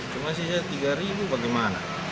cuma sisa tiga ribu bagaimana